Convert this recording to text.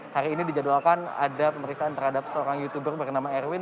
hari ini dijadwalkan ada pemeriksaan terhadap seorang youtuber bernama erwin